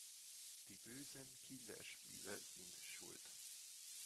Die bösen Killerspiele sind schuld!